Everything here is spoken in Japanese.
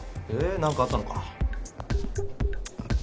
何かあったのか？